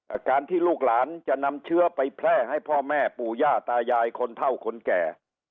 อาการที่ลูกหลานจะนำเชื้อไปแพร่ให้พ่อแม่ปู่ย่าตายายคนเท่าคนแก่